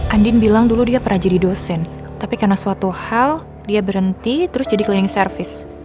andin bilang dulu dia pernah jadi dosen tapi karena suatu hal dia berhenti terus jadi cleaning service